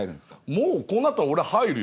もうこうなったら俺入るよ。